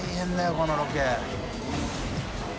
このロケ。